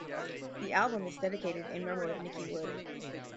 The album is dedicated in memory of Niki Wood.